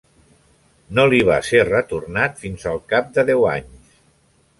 No li va ser retornat fins al cap de deu anys.